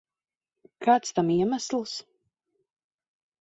Kāds tam iemesls?